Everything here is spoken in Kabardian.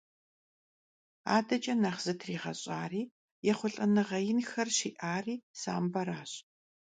Adeç'e nexh zıtriğeş'ari, yêxhulh'enığe yinxer şi'ari samberaş.